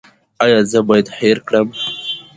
ایا زه باید هیر کړم؟